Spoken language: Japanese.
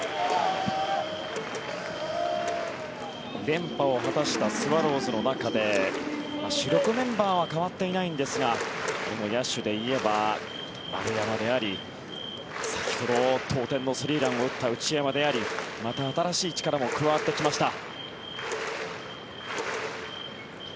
連覇を果たしたスワローズの中で主力メンバーは変わっていないんですがこの野手で言えば丸山であり先ほど、同点のスリーランを打った内山でありまた新しい力も加わってきました。